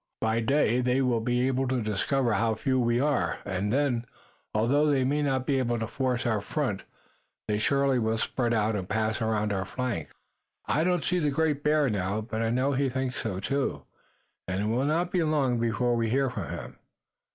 "By day they will be able to discover how few we are, and then, although they may not be able to force our front, they will surely spread out and pass around our flanks. I do not see the Great Bear now, but I know he thinks so, too, and it will not be long before we hear from him."